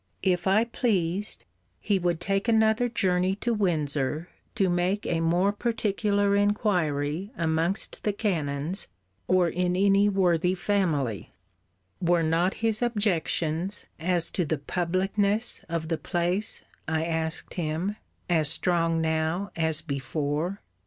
If I pleased, he would take another journey to Windsor, to make a more particular inquiry amongst the canons, or in any worthy family. Were not his objections as to the publicness of the place, I asked him, as strong now as before?